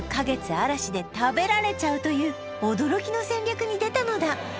嵐で食べられちゃうという驚きの戦略に出たのだ